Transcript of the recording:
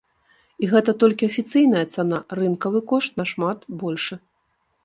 І гэта толькі афіцыйная цана, рынкавы кошт нашмат большы.